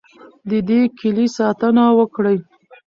د دې کیلي ساتنه وکړئ.